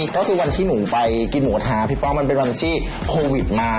ก็คือวันที่หนูไปกินหมูกระทะพี่ป้องมันเป็นวันที่โควิดมา